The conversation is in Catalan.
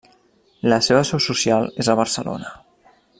La seva seu social és a Barcelona.